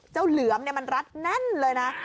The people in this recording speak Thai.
เจ้าเหลือมรัดแน่นเลยนะ